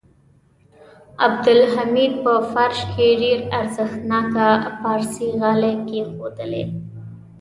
عبدالحمید په فرش کې ډېر ارزښتناکه پارسي غالۍ کېښودلې.